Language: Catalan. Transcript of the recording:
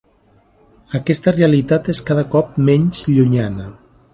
Aquesta realitat és cada cop menys llunyana.